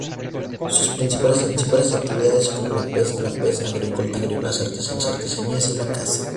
Sus principales actividades económicas son la pesca, la agricultura, las artesanías y la caza.